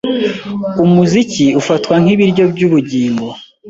Umuziki ufatwa nkibiryo byubugingo.